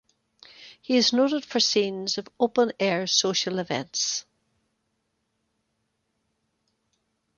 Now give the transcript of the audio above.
He is noted for scenes of open-air social events.